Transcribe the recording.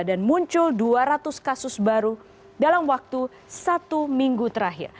dan muncul dua ratus kasus baru dalam waktu satu minggu terakhir